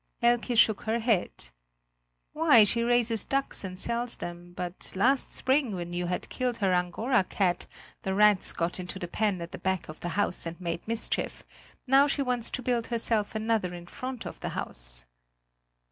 Elke shook her head: "Why, she raises ducks and sells them; but last spring, when you had killed her Angora cat, the rats got into the pen at the back of the house and made mischief; now she wants to build herself another in front of the house."